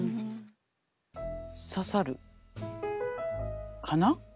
刺さるかな？